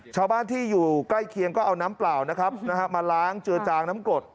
ชาวบ้านที่อยู่ใกล้เคียงก็เอาน้ำเปล่านะครับมาล้างเจือจางน้ำกรด